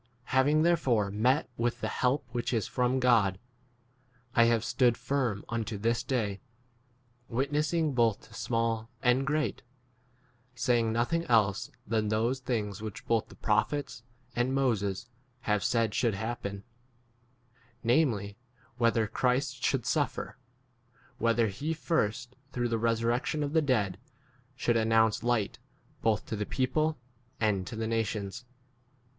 Having there fore met with [the] help which is from God, I have stood firm unto this day, witnessing both to small and great, saying nothing else than those things which both the prophets and Moses have said 23 should happen, [namely] whether Christ should suffer ; whether he first, through resurrection of [the] dead, should announce light both n to the people and to the nations.